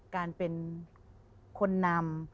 การเป็นคนนำ